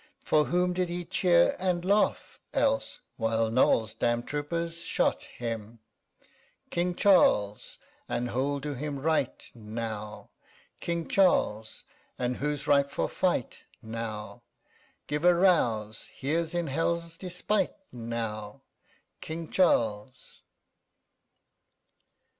For whom did he cheer and laugh else, 15 While Noll's damned troopers shot him? CHORUS. King Charles, and who'll do him right now? King Charles, and who's ripe for fight now? Give a rouse; here's, in hell's despite now, _King Charles!